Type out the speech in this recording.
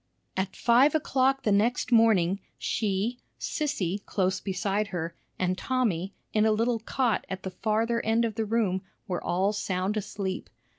At five o'clock the next morning, she, Sissy, close beside her, and Tommy, in a little cot at the farther end of the room, were all sound asleep.